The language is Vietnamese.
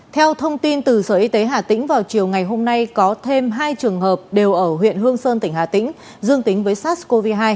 theo thông tin từ sở y tế hà tĩnh vào chiều ngày hôm nay có thêm hai trường hợp đều ở huyện hương sơn tỉnh hà tĩnh dương tính với sars cov hai